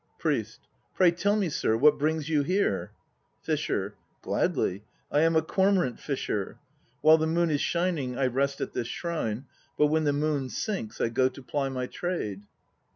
PRIEST. Pray tell me, sir, what brings you here? FISHER. Gladly. I am a conn or ant fisher. While the moon is shining I rest at this shrine; but when the moon sinks, I go to ply my trade.